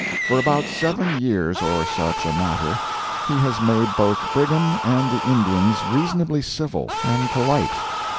For about seven years or such a matter he has made both Brigham and the Indians reasonably civil and polite.